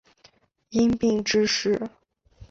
因病致仕。